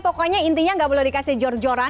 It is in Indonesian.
pokoknya intinya tidak perlu dikasih jor joran